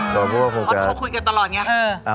เพราะทั้งคุยกันตลอดไง